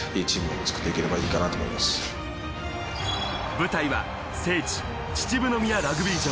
舞台は聖地・秩父宮ラグビー場。